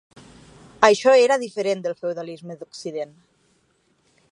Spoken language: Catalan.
Això era diferent del feudalisme d'occident.